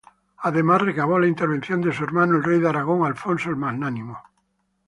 Además recabó la intervención de su hermano el rey de Aragón Alfonso el Magnánimo.